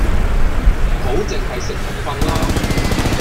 唔好剩係食同瞓啦！